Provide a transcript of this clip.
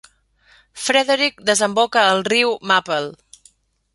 Frederick desemboca al riu Maple.